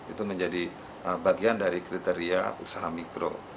itu menjadi bagian dari kriteria usaha mikro